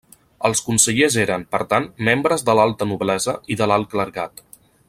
Els consellers eren, per tant, membres de l'alta noblesa i de l'alt clergat.